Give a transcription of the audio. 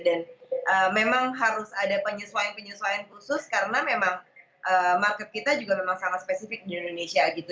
dan memang harus ada penyesuaian penyesuaian khusus karena memang market kita juga memang sangat spesifik di indonesia gitu